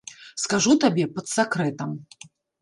Скажу табе пад сакрэтам.